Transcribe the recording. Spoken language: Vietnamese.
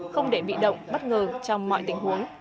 không để bị động bất ngờ trong mọi tình huống